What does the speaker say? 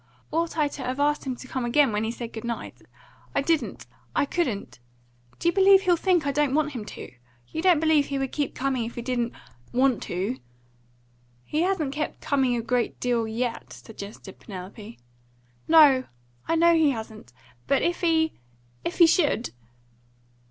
Ought I to have asked him to come again, when he said good night? I didn't; I couldn't. Do you believe he'll think I don't want him to? You don't believe he would keep coming if he didn't want to " "He hasn't kept coming a great deal, yet," suggested Penelope. "No; I know he hasn't. But if he if he should?"